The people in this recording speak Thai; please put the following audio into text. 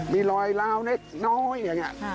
มีรอยล้าวเล็กน้อยอย่างนี้